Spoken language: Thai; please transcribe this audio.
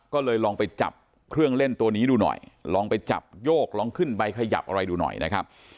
ก็เลยลองไปจับเครื่องเล่นตัวนี้ดูหน่อยลองไปจับโยกลองขึ้นไปขยับอะไรดูหน่อยนะครับ